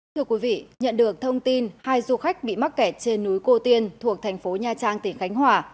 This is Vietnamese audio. thưa quý vị nhận được thông tin hai du khách bị mắc kẹt trên núi cô tiên thuộc thành phố nha trang tỉnh khánh hòa